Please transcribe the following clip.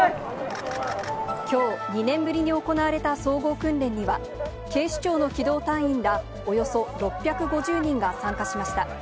きょう、２年ぶりに行われた総合訓練には、警視庁の機動隊員らおよそ６５０人が参加しました。